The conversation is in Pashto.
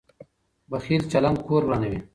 بخیل چلند کور ورانوي.